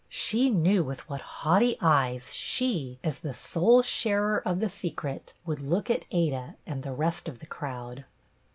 She knew with what haughty eyes she, as the sole sharer of The Secret, would look at Ada and the rest of the crowd.